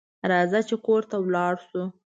راځه چې کور ته لاړ شو